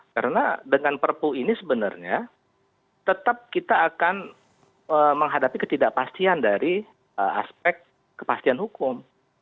karena dengan perpu ini sebenarnya tetap kita akan menghadapi ketidakpastian dari aspek kepastian hukum